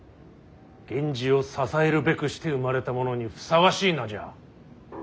源氏を支えるべくして生まれた者にふさわしい名じゃ。